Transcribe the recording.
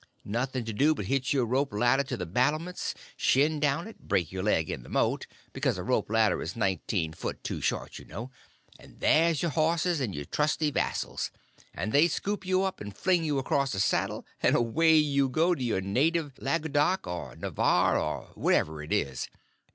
Nothing to do but hitch your rope ladder to the battlements, shin down it, break your leg in the moat—because a rope ladder is nineteen foot too short, you know—and there's your horses and your trusty vassles, and they scoop you up and fling you across a saddle, and away you go to your native Langudoc, or Navarre, or wherever it is.